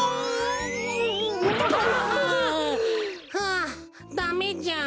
あダメじゃん。